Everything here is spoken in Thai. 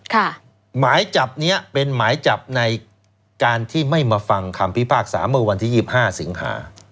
หมายจับเนี้ยเป็นหมายจับในการที่ไม่มาฟังคำพิพากษาเมื่อวันที่๒๕สิงหา